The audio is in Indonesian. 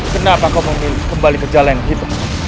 kenapa kau memilih kembali ke jalan gitu